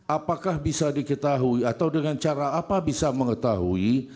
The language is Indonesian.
apakah bisa diketahui atau dengan cara apa bisa mengetahui